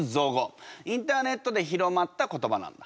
インターネットで広まった言葉なんだ。